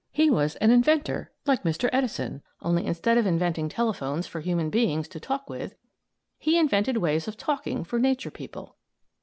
He was an inventor, like Mr. Edison; only, instead of inventing telephones for human beings to talk with, he invented ways of talking for nature people.